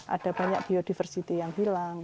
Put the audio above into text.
ada banyak biodiversity yang hilang